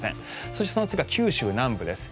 そして、その次は九州南部です。